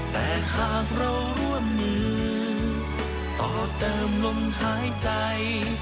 แต่หากเราร่วมมือต่อเติมลมหายใจ